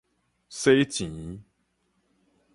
洗錢